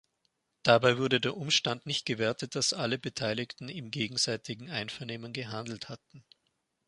Dabei wurde der Umstand nicht gewertet, dass alle Beteiligten im gegenseitigen Einvernehmen gehandelt hatten.